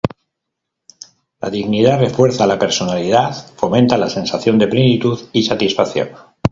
La dignidad refuerza la personalidad, fomenta la sensación de plenitud y satisfacción.